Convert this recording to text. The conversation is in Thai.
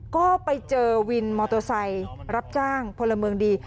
ก็ไปเจอวินมอเตอร์ไซค์รับจ้างพลเมืองดี